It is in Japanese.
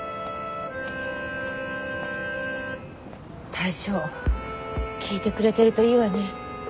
大将聴いてくれてるといいわね。